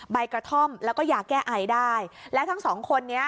ใบกระท่อมแล้วก็ยาแก้ไอได้แล้วทั้งสองคนนี้